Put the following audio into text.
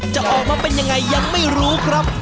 จะออกมาเป็นยังไงยังไม่รู้ครับ